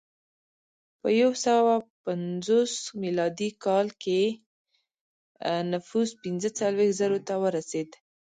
په یو سوه پنځوس میلادي کال کې نفوس پنځه څلوېښت زرو ته ورسېد